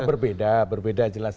ya berbeda jelas